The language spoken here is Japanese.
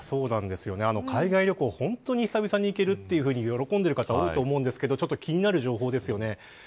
海外旅行、本当に久々に行けると喜んでいる方多いと思うんですがちょっと気になる情報ですよね。